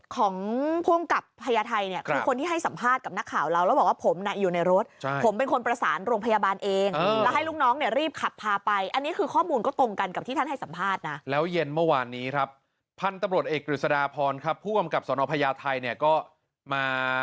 ของผู้กำกับพญาไทยคือคนที่ให้สัมภาษณ์กับนักข่าวเรา